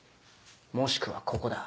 もしくはここだ。